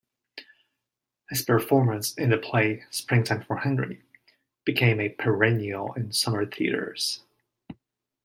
His performance in the play "Springtime for Henry" became a perennial in summer theaters.